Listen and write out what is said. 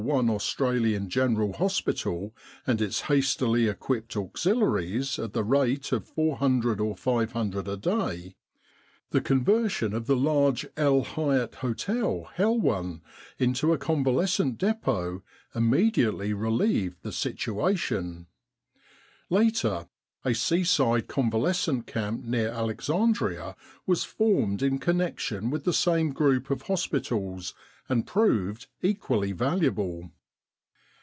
i Australian General Hospital and its hastily equipped auxiliaries at the rate of 400 or 500 a day, the conversion of the large El Hayat Hotel, Helouan, into a convalescent depot immediately relieved the situation. Later a seaside convalescent camp near Alexandria was formed in connection with the same group of hospitals, and proved equally valuable.